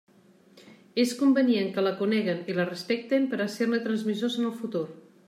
És convenient que la coneguen i la respecten per a ser-ne transmissors en el futur.